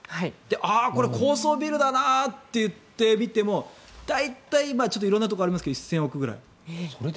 ああ、これ高層ビルだなといって見ても大体、色んなところがありますが１０００億円ぐらい。